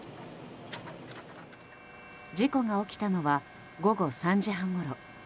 事故が起きたのは午後３時半ごろ。